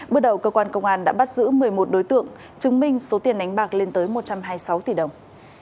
bước đầu cơ quan công an đã bắt giữ một mươi một đối tượng chứng minh số tiền đánh bạc lên tới một trăm hai mươi sáu tỷ đồng